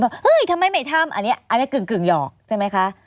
เหิ้ยทำไมไม่ทำ